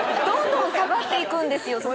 どんどん下がっていくんですよ